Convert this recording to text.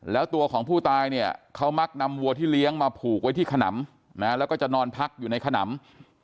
แล้วตัวของผู้ตายเนี่ยเขามักนำวัวที่เลี้ยงมาผูกไว้ที่ขนำนะแล้วก็จะนอนพักอยู่ในขนำ